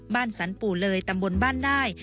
บ้านสันปู่เลยตำบลบ้านได้